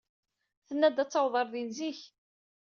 Tenna-d ad taweḍ ɣer din zik.